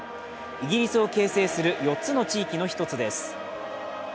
イギリスを形成する４つの地域の一つです。